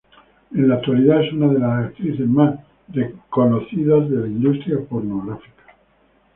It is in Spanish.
En la actualidad, es una de las actrices más reconocidas de la industria pornográfica.